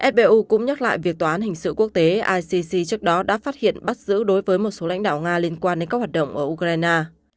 fbu cũng nhắc lại việc tòa án hình sự quốc tế icc trước đó đã phát hiện bắt giữ đối với một số lãnh đạo nga liên quan đến các hoạt động ở ukraine